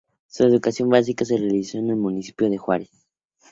Su educación básica la realizó en el municipio de Juárez.